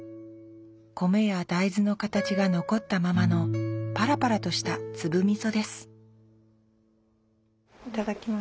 米や大豆の形が残ったままのパラパラとした粒味噌ですいただきます。